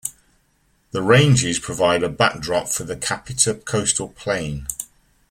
The ranges provide a back-drop for the Kapiti coastal plain.